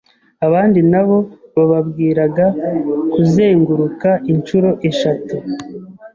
Abandi nabo bababwiraga kuzenguruka inshuro eshatu